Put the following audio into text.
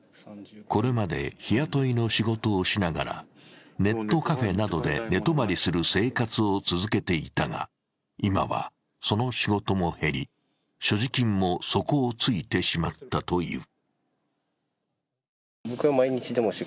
これまで日雇いの仕事をしながらネットカフェなどで寝泊まりする生活を続けていたが今はその仕事も減り、所持金も底をついてしまったという。